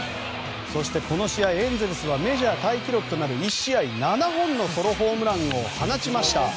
そして、この試合エンゼルスはメジャータイ記録となる１試合７本のソロホームランを放ちました。